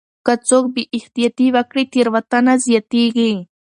که څوک بې احتياطي وکړي تېروتنه زياتيږي.